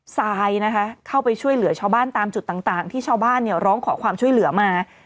ทรายนะคะเข้าไปช่วยเหลือชาวบ้านตามจุดต่างที่ชาวบ้านร้องขอความช่วยเหลือมา